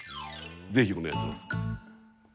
ぜひ、お願いします。